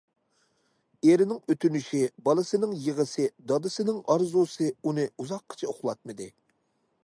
ئېرىنىڭ ئۆتۈنۈشى، بالىسىنىڭ يىغىسى، دادىسىنىڭ ئارزۇسى ئۇنى ئۇزاققىچە ئۇخلاتمىدى.